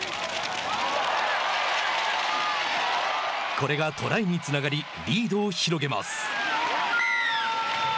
これがトライにつながりリードを広げます。